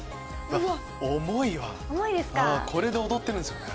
うわ重いわこれで踊ってるんですよね。